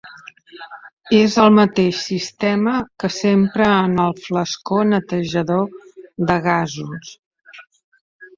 És el mateix sistema que s'empra en el flascó netejador de gasos.